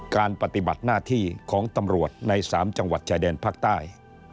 ปฏิบัติหน้าที่ของตำรวจใน๓จังหวัดชายแดนภาคใต้